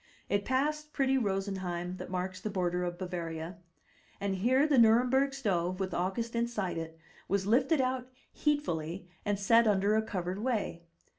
It passed pretty Rosenheim, that marks the border of Bavaria. And here the Nuremberg stove, with August inside it, was lifted out heedfuUy and set under a covered way.